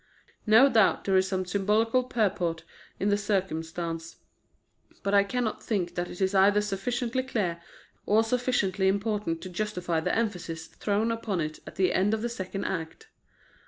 No doubt there is some symbolical purport in the circumstance; but I cannot think that it is either sufficiently clear or sufficiently important to justify the emphasis thrown upon it at the end of the second act.